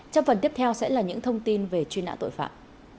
trong phần tiếp theo sẽ là những thông tin về truy nã tội phạm